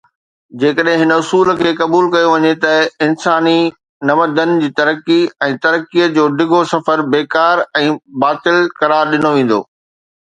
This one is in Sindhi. جيڪڏهن هن اصول کي قبول ڪيو وڃي ته انساني تمدن جي ترقي ۽ ترقيءَ جو ڊگهو سفر بيڪار ۽ باطل قرار ڏنو ويندو.